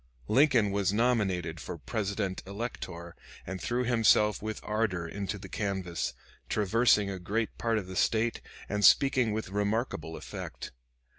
Lincoln was nominated for Presidential Elector and threw himself with ardor into the canvass, traversing a great part of the State and speaking with remarkable effect.